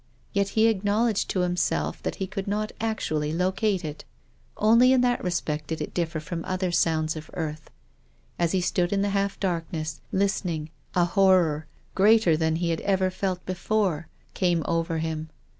Yet he acknowledged to himself that he could not actually locate it. Only in that re spect did it differ from other sounds of earth. As he stood in the half darkness, listening, a horror, greater than he had ever felt before, came over him.